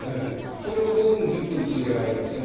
それを５分、１０分続けられるんですね。